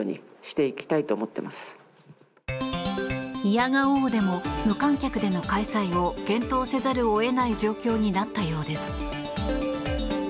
否が応でも、無観客での開催を検討せざるを得ない状況になったようです。